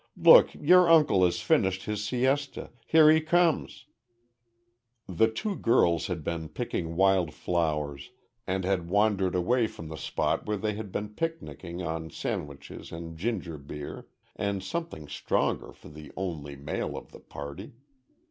"Look, your uncle has finished his siesta. Here he comes." The two girls had been picking wild flowers and had wandered away from the spot where they had been picnicking on sandwiches and ginger beer and something stronger for the only male of the party.